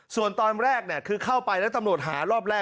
ส่วนตอนแรกคือเข้าไปแล้วตำรวจหารอบแรก